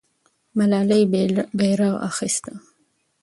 ملالۍ بیرغ اخیسته.